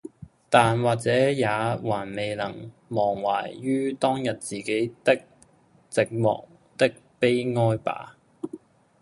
但或者也還未能忘懷于當日自己的寂寞的悲哀罷，